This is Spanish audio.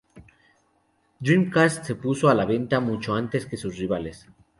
Dreamcast se puso a la venta mucho antes que sus rivales.